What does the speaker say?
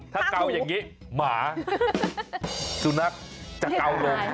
ถ้าเกาอย่างนี้หมาสุนัขจะเกาลง